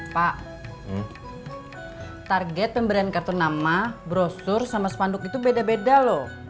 pak target pemberian kartu nama brosur sama spanduk itu beda beda loh